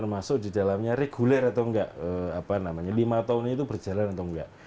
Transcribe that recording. masuk di dalamnya reguler atau nggak apa namanya lima tahunnya itu berjalan atau nggak